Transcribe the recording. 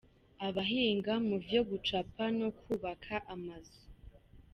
Abahinga mu vyo gucapa no kwubaka amazu .